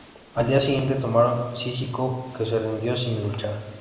Al día siguiente, tomaron Cícico, que se rindió sin luchar.